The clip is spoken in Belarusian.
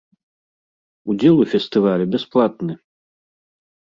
Удзел у фестывалі бясплатны.